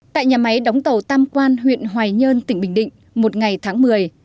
tại nhà máy đóng tàu tam quan huyện hoài nhơn tỉnh bình định một ngày tháng một mươi